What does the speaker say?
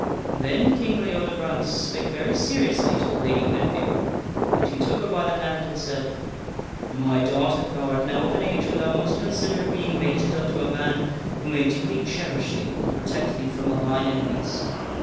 Then King Leodegrance spake very seriously to the Lady Guinevere, and he took her by the hand and said :" My daughter, thou art now of an age when thou must consider being mated unto a man who may duly cherish thee and protect thee from thine enemies.